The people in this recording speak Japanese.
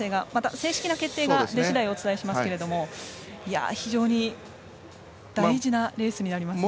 正式な決定が出次第お伝えしますけれども非常に大事なレースになりますね。